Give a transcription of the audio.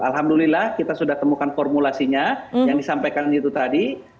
alhamdulillah kita sudah temukan formulasinya yang disampaikan itu tadi